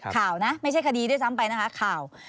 ข่าวนะไม่ใช่คดีด้วยซ้ำไปนะคะข่าว